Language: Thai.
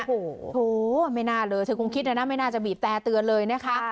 โอ้โหไม่น่าเลยเธอคงคิดนะนะไม่น่าจะบีบแต่เตือนเลยนะคะ